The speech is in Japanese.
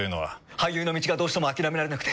俳優の道がどうしても諦められなくて。